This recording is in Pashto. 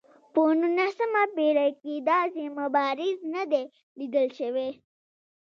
په نولسمه پېړۍ کې داسې مبارز نه دی لیدل شوی.